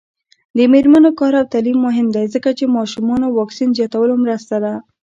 د میرمنو کار او تعلیم مهم دی ځکه چې ماشومانو واکسین زیاتولو مرسته ده.